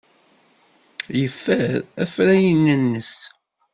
Yeffer afrayen-nnes.